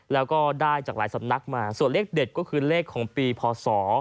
แล้วก็ได้จากหลายสำนักมาส่วนเลขเด็ดก็คือเลขของปีพศ